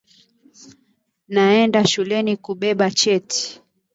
Naenda shuleni kubeba cheti